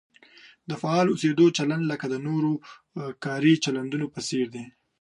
د فعال اوسېدو چلند لکه د نورو کاري چلندونو په څېر دی.